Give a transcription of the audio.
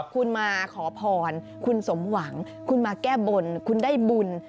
คุณมาขอพรคุณสมหวังคุณมาแก้บนคุณได้บุญ